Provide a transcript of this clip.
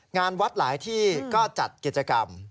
งานวัดหลายที่ก็จัดกิจกรรม